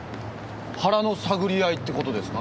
腹の探り合いってことですか？